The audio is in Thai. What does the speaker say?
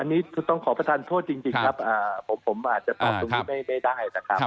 อันนี้คือต้องขอประทานโทษจริงครับผมอาจจะตอบตรงนี้ไม่ได้นะครับ